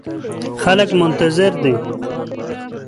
خلګ منتظر دي